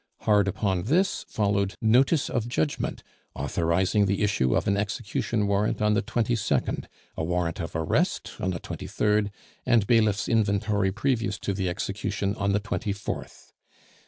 Hard upon this followed notice of judgment, authorizing the issue of an execution warrant on the 22nd, a warrant of arrest on the 23rd, and bailiff's inventory previous to the execution on the 24th.